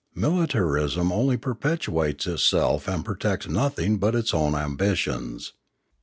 Militarism only perpetuates itself and protects nothing but its own ambitions.